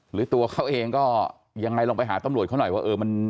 หรือตัวเขาเองก็ยังไงลองไปหาตำรวจเขาหน่อยว่า